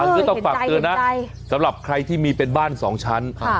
ก็ต้องฝากเตือนนะสำหรับใครที่มีเป็นบ้านสองชั้น